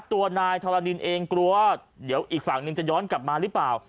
ตัวนายทรนินเองกลัวเดี๋ยวอีกฝั่งนึงจะย้อนกลับมาหรือเปล่า